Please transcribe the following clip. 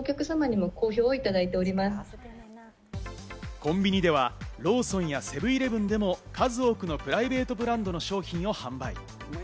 コンビニではローソンやセブンイレブンでも数多くのプライベートブランドの商品を販売。